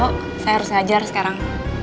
oh saya harus belajar sekarang